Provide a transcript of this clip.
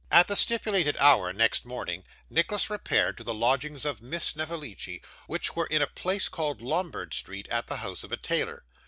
At the stipulated hour next morning, Nicholas repaired to the lodgings of Miss Snevellicci, which were in a place called Lombard Street, at the house of a tailor.